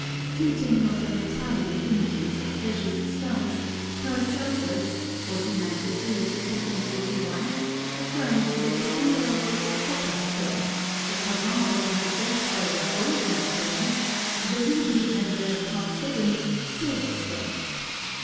Treating of the metallic affinities of precious stones, Paracelsus (1493 1541) affirmed that the emerald was a copper stone; the carbuncle and the jasper were golden stones; the ruby and the chalcedony, silver stones.